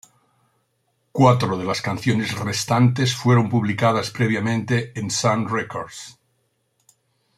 Cuatro de las canciones restantes fueron publicadas previamente en Sun Records.